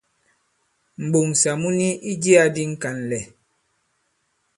M̀ɓoŋsà mu ni i jiyā di ŋ̀kànlɛ̀.